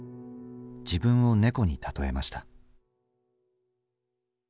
自分を猫に例えました。